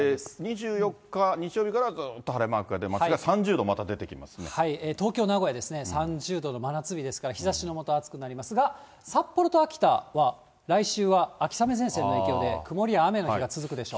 ２４日日曜日からずっと晴れマークが出ますが、３０度また出東京、名古屋ですね、３０度の真夏日ですが、日ざしの下、暑くなりますが、札幌と秋田は来週は秋雨前線の影響で、曇りや雨の日が続くでしょう。